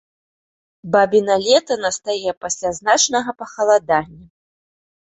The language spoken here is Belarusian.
Бабіна лета настае пасля значнага пахаладання.